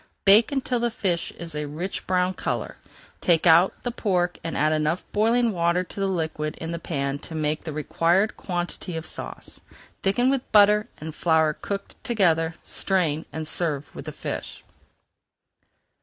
Bake until the fish is a rich brown color. Take out the pork and add enough boiling water to the liquid in the pan to make the required quantity of sauce. Thicken with butter and flour cooked together, strain, and serve with the fish.